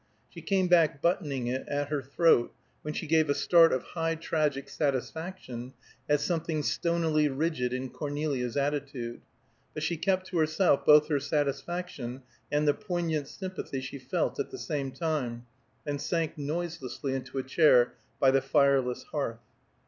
She came back buttoning it at her throat, when she gave a start of high tragic satisfaction at something stonily rigid in Cornelia's attitude, but she kept to herself both her satisfaction and the poignant sympathy she felt at the same time, and sank noiselessly into a chair by the fireless hearth.